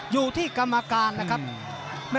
อยู่ที่กรรมการนะครับ